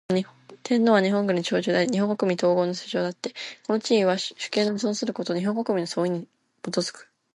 天皇は、日本国の象徴であり日本国民統合の象徴であつて、この地位は、主権の存する日本国民の総意に基く。